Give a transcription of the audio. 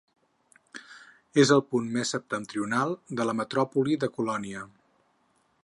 És el punt més septentrional de la metròpoli de Colònia.